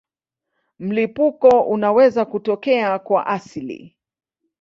Mlipuko unaweza kutokea kwa asili.